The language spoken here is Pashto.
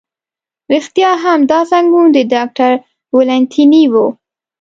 رښتیا هم، دا زنګون د ډاکټر ولانتیني و.